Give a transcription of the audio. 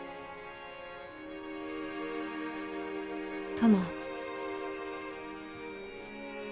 殿。